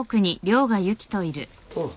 おう。